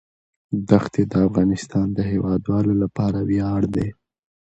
دښتې د افغانستان د هیوادوالو لپاره ویاړ دی.